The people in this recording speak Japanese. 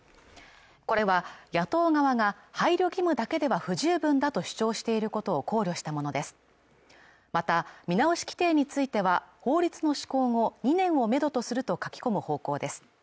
これは野党側が配慮義務だけでは不十分だと主張していることを考慮したものですまた見直し規定については法律の施行後２年をめどとすると書き込む方向です